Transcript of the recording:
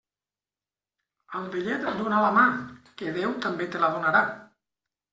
Al vellet dóna la mà, que Déu també te la donarà.